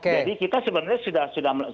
jadi kita sebenarnya sudah